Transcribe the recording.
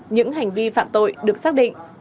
những hành vi phạm tội được xác định